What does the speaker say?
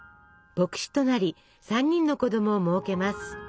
牧師となり３人の子供をもうけます。